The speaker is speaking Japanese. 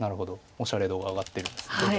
おしゃれ度が上がってるんですね。